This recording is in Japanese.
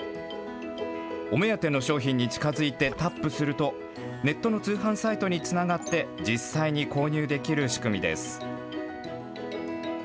お目当ての商品に近づいてタップすると、ネットの通販サイトにつながって、実際に購入できる仕組みです。